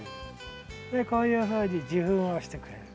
でこういうふうに受粉をしてくれる。